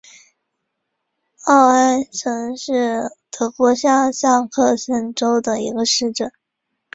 奥埃岑是德国下萨克森州的一个市镇。